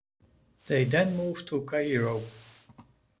They then moved to Cairo.